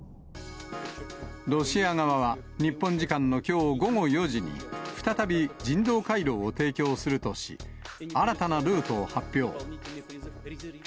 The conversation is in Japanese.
ロシア側は、日本時間のきょう午後４時に、再び人道回廊を提供するとし、新たなルートを発表。